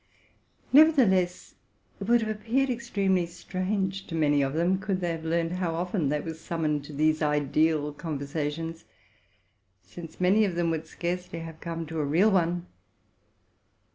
Nevertheless, it would have appeared extremely strange to many of them, could they have learned how often they were summoned to these ideal conversations ; since many of them would scarcely have come to a real one.